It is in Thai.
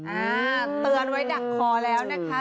อ่าเตือนไว้ดักคอแล้วนะคะ